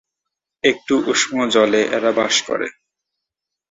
একটু উষ্ণ জলে এরা বাস করে।